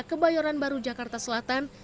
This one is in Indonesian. ke bayoran baru jakarta selatan